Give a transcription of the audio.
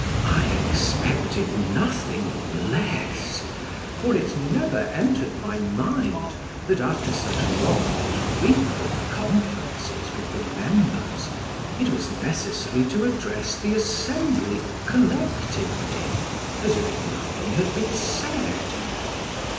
I expected nothing less, for it never entered my mind, that after such long and frequent conferences with the members, it was necessary to address the assembly collectively, as if nothing had been said.